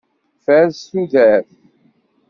Fares tudert!